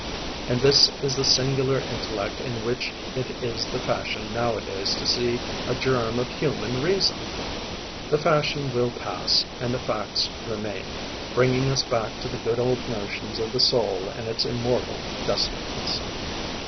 And this is the singular intellect in which it is the fashion nowadays to see a germ of human reason! The fashion will pass and the facts remain, bringing us back to the good old notions of the soul and its immortal destinies.